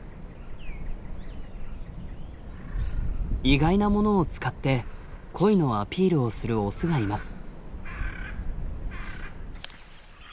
意外なものを使って恋のアピールをするオスがいます。